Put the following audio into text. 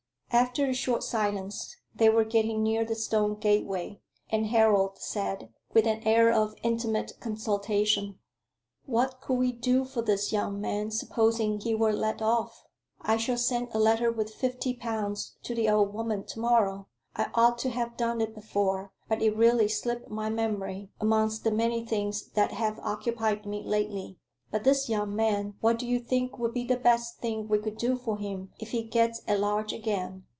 After a short silence, they were getting near the stone gateway, and Harold said, with an air of intimate consultation "What could we do for this young man, supposing he were let off? I shall send a letter with fifty pounds to the old woman to morrow. I ought to have done it before, but it really slipped my memory, amongst the many things that have occupied me lately. But this young man what do you think would be the best thing we could do for him, if he gets at large again.